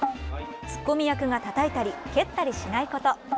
ツッコミ役がたたいたり蹴ったりしないこと。